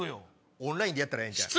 オンラインでやったらええんちゃう？